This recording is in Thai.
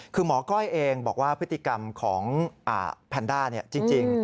คือหมอก้อยเองบอกว่าพฤติกรรมของแพนด้าจริง